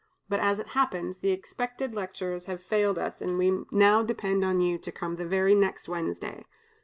But, as it happens, the expected lectures have failed us, and we now depend on you to come the very next Wednesday.